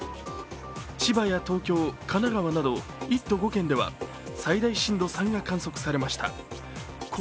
千葉や東京、神奈川など１都５県では最大震度３が観測されました。